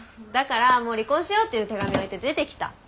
だから「もう離婚しよう」っていう手紙置いて出てきた。